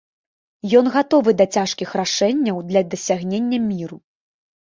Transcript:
Ён гатовы да цяжкіх рашэнняў для дасягнення міру.